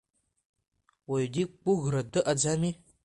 Уаҩ диқәгәыӷратә дыҟаӡами?